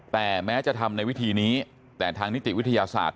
แต่แม้จะทำในวิธีนี้แต่ทางนิติวิทยาศาสตร์